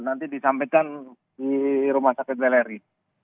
nanti disampaikan di rumah sakit weleri